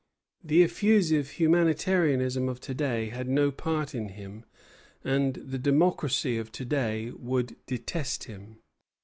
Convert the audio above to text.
The effusive humanitarianism of to day had no part in him, and the democracy of to day would detest him.